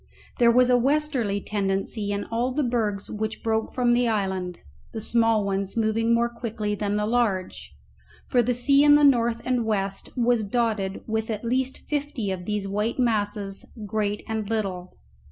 There was a westerly tendency in all the bergs which broke from the island, the small ones moving more quickly than the large, for the sea in the north and west was dotted with at least fifty of these white masses, great and little.